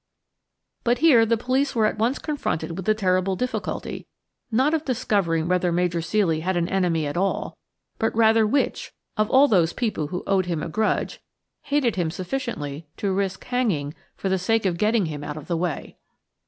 But here the police were at once confronted with the terrible difficulty, not of discovering whether Major Ceely had an enemy at all, but rather which, of all those people who owed him a grudge, hated him sufficiently to risk hanging for the sake of getting him out of the way.